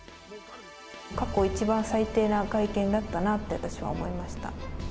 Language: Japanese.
過去一番最低な会見だったなって私は思いました。